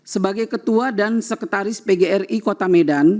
sebagai ketua dan sekretaris pgri kota medan